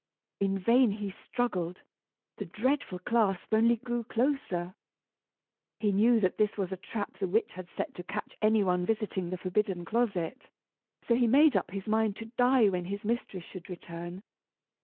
In vain he struggled; the dreadful clasp only grew closer. He knew that this was a trap the witch had set to catch any one visiting the forbidden closet, so he made up his mind to die when his mistress should return.